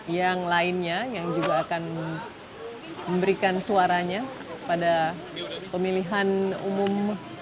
yang lainnya yang juga akan memberikan suaranya pada pemilihan umum dua ribu sembilan belas